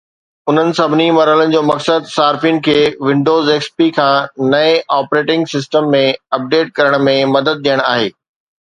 انهن سڀني مرحلن جو مقصد صارفين کي ونڊوز XP کان نئين آپريٽنگ سسٽم ۾ اپڊيٽ ڪرڻ ۾ مدد ڏيڻ آهي